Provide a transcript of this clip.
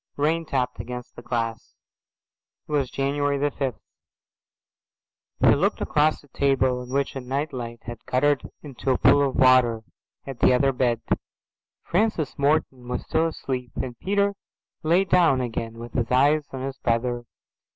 Rain tapped against the glass. It was January the fifth. He looked across a table on which a night light had guttered into a pool of water, at the other bed. Francis Morton was still asleep, and Peter lay down again with his eyes on his brother.